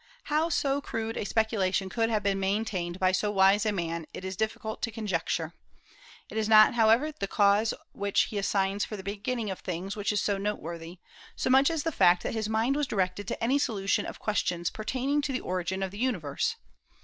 How so crude a speculation could have been maintained by so wise a man it is difficult to conjecture. It is not, however, the cause which he assigns for the beginning of things which is noteworthy, so much as the fact that his mind was directed to any solution of questions pertaining to the origin of the universe.